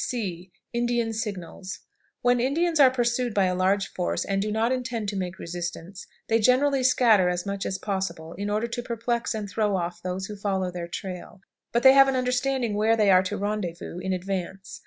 C. Indian Signals. When Indians are pursued by a large force, and do not intend to make resistance, they generally scatter as much as possible, in order to perplex and throw off those who follow their trail, but they have an understanding where they are to rendezvous in advance.